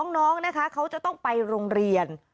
น้องนะคะเขาจะต้องไปโรงเรียน